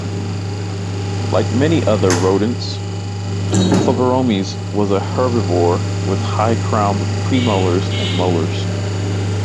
Like many other rodents, "Phoberomys" was a herbivore with high-crowned premolars and molars.